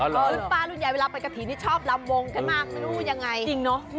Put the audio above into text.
รุ่นป้ารุ่นใหญ่เวลาไปกะถีนี่ชอบลำวงกันมากไม่รู้ยังไงจริงเนอะ